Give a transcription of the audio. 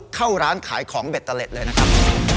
เข้าร้านขายของเบตเตอร์เล็ตเลยนะครับ